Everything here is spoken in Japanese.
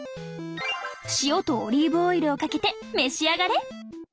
塩とオリーブオイルをかけて召し上がれ！